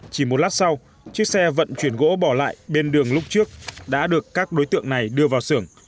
chỉ một lát sau chiếc xe vận chuyển gỗ bỏ lại bên đường lúc trước đã được các đối tượng này đưa vào sưởng